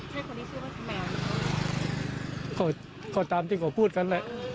หรือก็ตามที่ก่อพูดกันแหละ